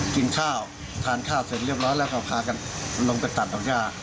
กินข้าวทานข้าวเสร็จเรียบร้อยแล้วก็พากันลงไปตัดดอกย่า